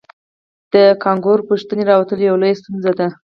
د کانکور پوښتنې راوتل یوه لویه ستونزه ده